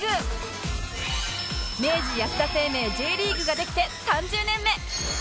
明治安田生命 Ｊ リーグができて３０年目